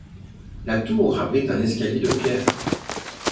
La tour abrite un escalier de pierre.